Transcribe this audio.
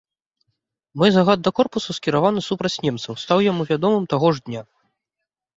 Мой загад да корпусу, скіраваны супраць немцаў, стаў яму вядомым таго ж дня.